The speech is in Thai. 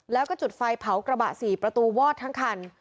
แล้วก็จุดไฟเผากระบะ๔ประตูวอดทั้งคัน